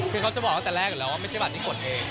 คือเขาจะบอกตั้งแต่แรกอยู่แล้วว่าไม่ใช่บัตรที่กดเอง